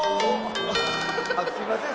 あっすいません。